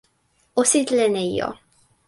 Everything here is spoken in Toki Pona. o sitelen e ijo.